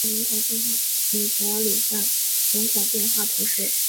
米泽里厄人口变化图示